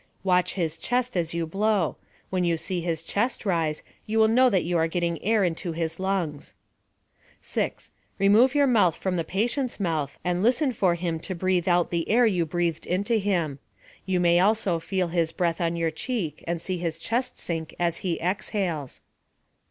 Watch his chest as you blow. When you see his chest rise, you will know that you are getting air into his lungs. 6. Remove your mouth from the patient's mouth, and listen for him to breathe out the air you breathed into him. You also may feel his breath on your cheek and see his chest sink as he exhales.